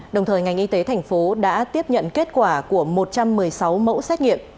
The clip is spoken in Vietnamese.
đồng thời ngành y tế thành phố đã tiếp nhận kết quả của một trăm một mươi sáu mẫu xét nghiệm